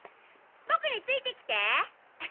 僕について来て。